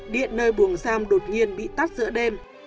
điện nơi buồng giam đột nhiên bị tắt giữa đêm